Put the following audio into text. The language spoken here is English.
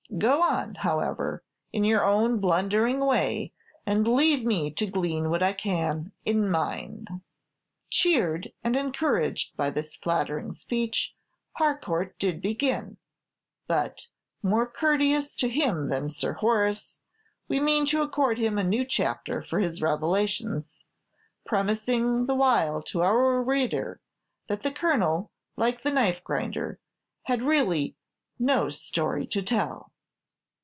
Go on, however, in your own blundering way, and leave me to glean what I can in mine." Cheered and encouraged by this flattering speech, Harcourt did begin; but, more courteous to him than Sir Horace, we mean to accord him a new chapter for his revelations; premising the while to our reader that the Colonel, like the knife grinder, had really "no story to tell."